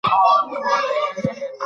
که هر څوک قانون ومني نو نظم به راسي.